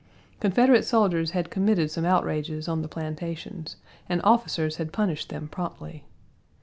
Confederate soldiers had committed some outrages on the plantations and officers had punished them promptly.